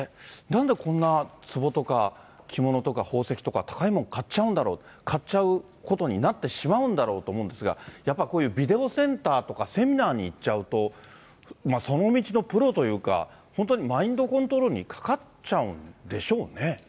なんでこんなつぼとか着物とか宝石とか、高いもの、買っちゃうんだろう、買っちゃうことになってしまうんだろうと思うんですが、やっぱりこういうビデオセンターとかセミナーに行っちゃうと、その道のプロというか、本当にマインドコントロールにかかっちゃうんでしょうね。